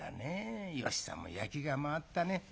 芳さんも焼きが回ったね。